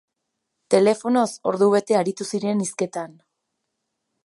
Telefonoz ordubete aritu ziren hizketan.